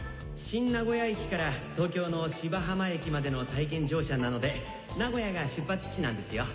新名古屋駅から東京の芝浜駅までの体験乗車なので名古屋が出発地なんですよ。